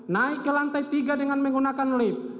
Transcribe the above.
naik ke lantai tiga dengan menggunakan lift